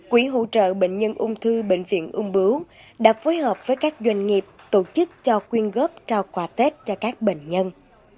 quỹ hỗ trợ bệnh nhân ung thư bệnh viện ung bướu đã phối hợp với các doanh nghiệp tổ chức cho quyên góp trao quà tết cho các bệnh nhân